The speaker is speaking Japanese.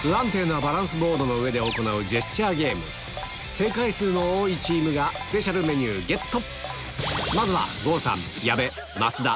正解数の多いチームがスペシャルメニューゲット